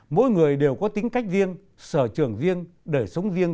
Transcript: mỗi người đều có tính cách riêng sở trường riêng đời sống riêng